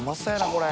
これ。